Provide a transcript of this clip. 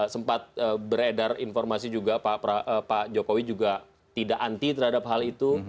sempat beredar informasi juga pak jokowi juga tidak anti terhadap hal itu